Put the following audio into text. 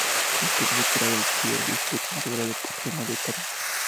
Es conocido por haber sido obispo consagrado por Germán de París.